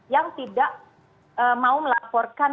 yang tidak mau melaporkan